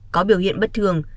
có biểu hiện bất thường